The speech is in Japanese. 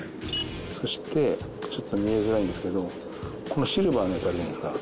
そしてちょっと見えづらいんですけどこのシルバーのやつあるじゃないですか。